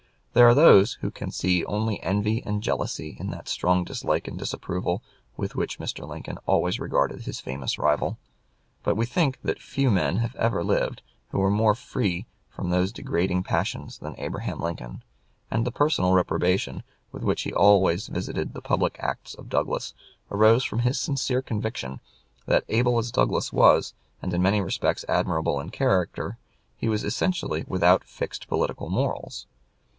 There are those who can see only envy and jealousy in that strong dislike and disapproval with which Mr. Lincoln always regarded his famous rival. But we think that few men have ever lived who were more free from those degrading passions than Abraham Lincoln, and the personal reprobation with which he always visited the public acts of Douglas arose from his sincere conviction that, able as Douglas was, and in many respects admirable in character, he was essentially without fixed political morals.